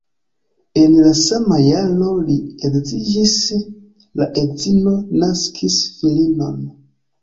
En la sama jaro li edziĝis, la edzino naskis filinon.